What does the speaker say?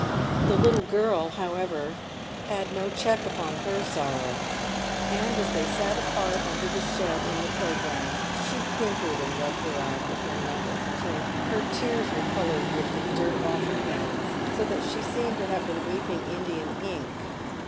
The little girl, however, had no check upon her sorrow, and, as they sat apart under the shed in the playground, she whimpered and rubbed her eyes with her knuckles until her tears w r ere coloured with the dirt off her hands, so that she seemed to have been weeping Indian ink.